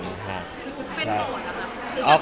นายใช้เป็นโหดนะ